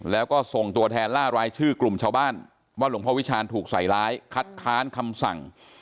แล้วก็ส่งตัวแทนล่ารายชื่อกลุ่มชาวบ้านว่าหลวงพ่อวิชาณถูกใส่ร้ายคัดค้านคำสั่ง